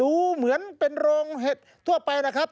ดูเหมือนเป็นโรงเห็ดทั่วไปนะครับ